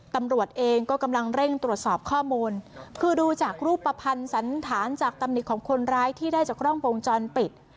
ตำรวจเองก็กำลังเร่งตรวจสอบข้อมูลคือดูจากรูปภัณฑ์สันธารจากตำหนิของคนร้ายที่ได้จากกล้องวงจรปิด